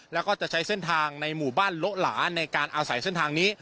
แล้วก็จะใช้เส้นทางในหมู่บ้านโละหลาในการอาศัยเส้นทางนี้